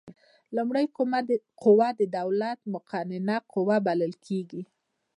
لومړۍ قوه د دولت مقننه قوه بلل کیږي.